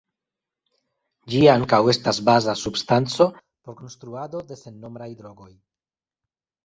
Ĝi ankaŭ estas baza substanco por konstruado de sennombraj drogoj.